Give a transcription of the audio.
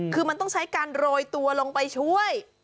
คือมันต้องใช้การโรยตัวลงไปช่วย